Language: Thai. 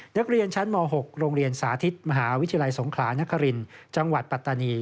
นักเรียนชั้นม๖โรงเรียนสาธิตมหาวิทยาลัยสงขลานครินจังหวัดปัตตานี